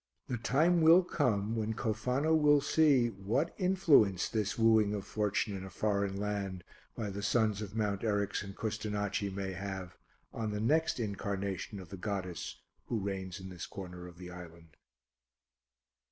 The time will come when Cofano will see what influence this wooing of Fortune in a foreign land by the sons of Mount Eryx and Custonaci may have on the next incarnation of the goddess who reigns in this corner of the island.